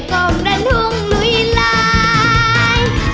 กลมกันทุ่งหนุ่ลาย